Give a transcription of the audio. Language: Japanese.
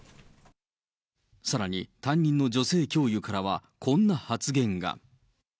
さらに、担任の女性教諭からは、こんな発言が。